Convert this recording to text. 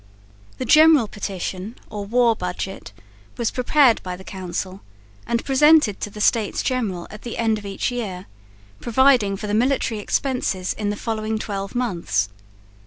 The General Petition or War Budget was prepared by the Council and presented to the States General at the end of each year, providing for the military expenses in the following twelve months.